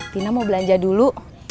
tina mau belanja dulu